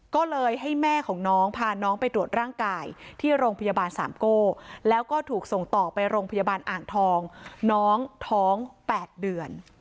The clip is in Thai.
ก็เลยให้แม่ของน้องพาน้องไปตรวจร่างกายที่โรงพยาบาลสามโก้แล้วก็ถูกส่งต่อไปโรงพยาบาลอ่างทองน้องท้อง๘เดือน